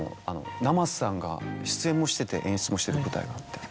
生瀬さんが出演もしてて演出もしてる舞台があって。